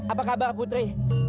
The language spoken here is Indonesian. apa kabar putri